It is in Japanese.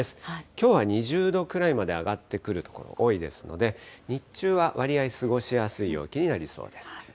きょうは２０度くらいまで上がってくる所、多いですので、日中は割合過ごしやすい陽気になりそうです。